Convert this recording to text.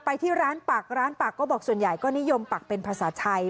ไปที่ร้านปักร้านปักโก้บอกส่วนใหญ่ก็นิยมปักเป็นภาษาไทย